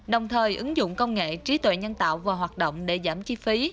đồng thời ứng dụng công nghệ trí tuệ nhân tạo vào hoạt động để giảm chi phí